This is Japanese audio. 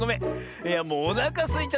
いやもうおなかすいちゃってさ。